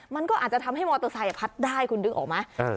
มันก็อาจจะทำให้มอเตอร์ไซค์พัดได้คุณนึกออกไหม